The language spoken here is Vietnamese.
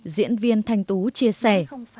diễn viên thanh tú chia sẻ